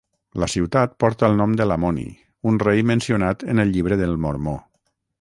La ciutat porta el nom de Lamoni, un rei mencionat en el Llibre del Mormó.